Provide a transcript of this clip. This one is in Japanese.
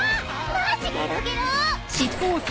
マジゲロゲロ。